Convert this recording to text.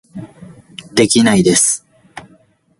できないです